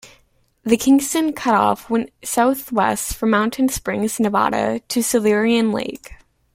The Kingston Cutoff went southwest from Mountain Springs, Nevada, to Silurian Lake.